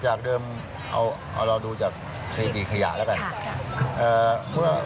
จากเดิมเอาเราดูจากสถิติขยะแล้วกัน